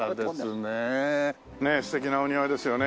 ねえ素敵なお庭ですよね。